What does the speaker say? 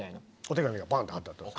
お手紙がバン！と貼ってあった。